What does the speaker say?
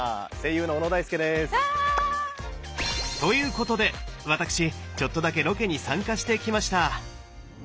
声優のということで私ちょっとだけロケに参加してきました！